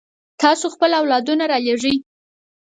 تاسو خپل اولادونه رالېږئ.